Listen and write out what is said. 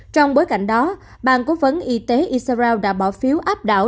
trong bối cảnh đó bàn cố vấn y tế israel đã bỏ phiếu áp đảo